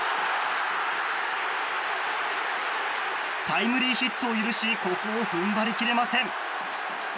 タイムリーヒットを許しここを踏ん張り切れません。